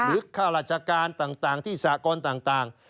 หรือข้าราชการต่างที่สากรต่าง